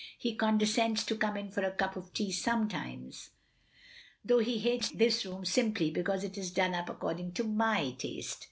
He condescends to come in for a cup of tea, sometimes, though he hates this room simply because it is done up according to my taste.